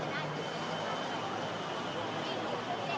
มีหลวสสมงตะ